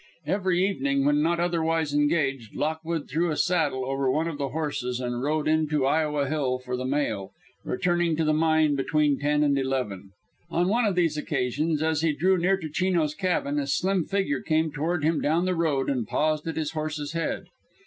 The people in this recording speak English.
Every evening, when not otherwise engaged, Lockwood threw a saddle over one of the horses and rode in to Iowa Hill for the mail, returning to the mine between ten and eleven. On one of these occasions, as he drew near to Chino's cabin, a slim figure came toward him down the road and paused at his horse's head.